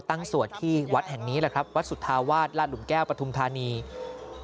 ตั้งสวทที่วัดแห่งนี้แหละครับวัดสุทาวาสราชหลุมแก้วประทุมธนีย์